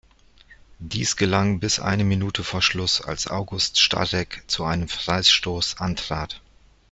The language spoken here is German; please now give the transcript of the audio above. Dies gelang bis eine Minute vor Schluss, als August Starek zu einem Freistoß antrat.